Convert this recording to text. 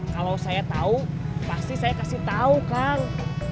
kalau saya tau pasti saya kasih tau kang